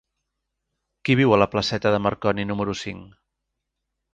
Qui viu a la placeta de Marconi número cinc?